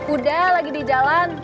udah lagi di jalan